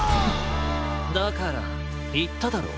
だからいっただろう。